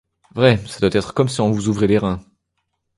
Vrai, ça doit être comme si on vous ouvrait les reins.